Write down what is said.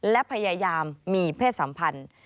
และพยายามมีเพศสัมพันธ์